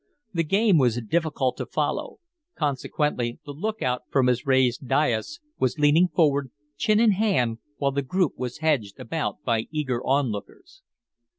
The game was difficult to follow; consequently the lookout, from his raised dais, was leaning forward, chin in hand, while the group was hedged about by eager on lookers.